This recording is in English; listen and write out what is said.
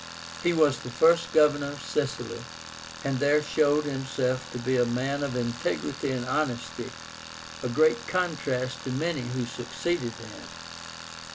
He was the first Governor of Sicily, and there showed himself to be a man of integrity and honesty, a great contrast to many who succeeded him.)